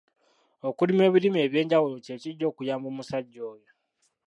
Okulima ebirime eby'enjawulo kye kijja okuyamba omusajja oyo.